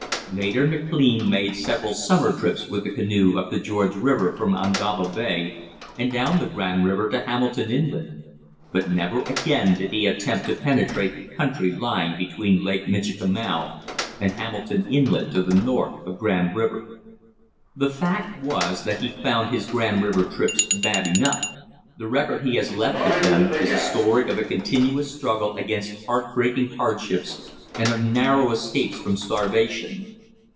Later McLean made several summer trips with a canoe up the George River from Ungava Bay and down the Grand River to Hamilton Inlet; but never again did he attempt to penetrate the country lying between Lake Michikamau and Hamilton Inlet to the north of Grand River. The fact was that he found his Grand River trips bad enough; the record he has left of them is a story of a continuous struggle against heartbreaking hardships and of narrow escapes from starvation.